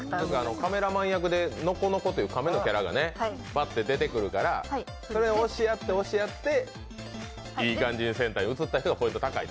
カメラマン役でノコノコという亀のキャラクターが出てくるからそれを押し合って押し合って、いい感じにセンターに写った人がポイント高いと。